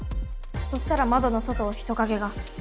そしたら窓の外を人影が。